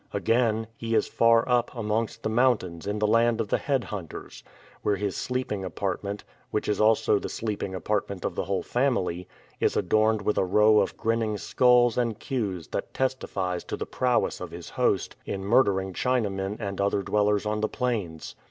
Again, he is far up amongst the mountains in the land of the head hunters, where his sleeping apartment, which is also the sleeping apartment of the whole family, is adorned with a row of grinning skulls and queues that testifies to the prowess of his host in murdering China men and other dwellers on the plains.